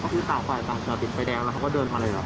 พี่ต่อไปต่อติดไฟแดงแล้วเขาก็เดินไปเลยเหรอครับ